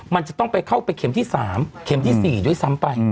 มันจะต้องไปเข้าไปเข็มที่๓เข็มที่๔ด้วยซ้ำไป